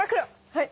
はい！